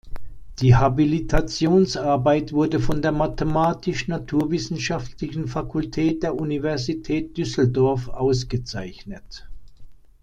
Die Habilitationsarbeit wurde von der Mathematisch-Naturwissenschaftlichen Fakultät der Universität Düsseldorf ausgezeichnet.